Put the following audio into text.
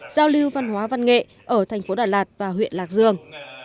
giao lưu văn hóa văn nghệ ở thành phố đà lạt và huyện lạc dương